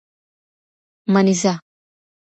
منېزه